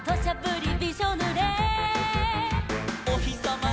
「おひさま